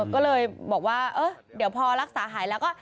ก็เลยบอกว่าเออเดี๋ยวพอรักษาหายแล้วก็